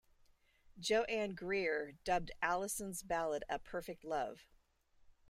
Jo Ann Greer dubbed Allyson's ballad "A Perfect Love".